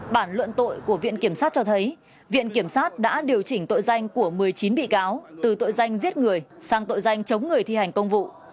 bản luận tội của viện kiểm sát cho thấy viện kiểm sát đã điều chỉnh tội danh của một mươi chín bị cáo từ tội danh giết người sang tội danh chống người thi hành công vụ